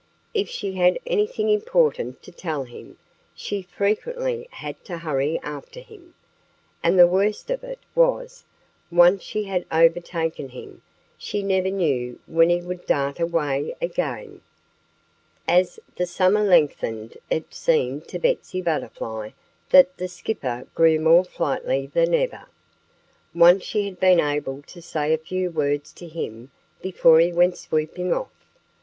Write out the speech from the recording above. If she had anything important to tell him she frequently had to hurry after him. And the worst of it was, once she had overtaken him she never knew when he would dart away again. As the summer lengthened it seemed to Betsy Butterfly that the Skipper grew more flighty than ever. Once she had been able to say a few words to him before he went swooping off.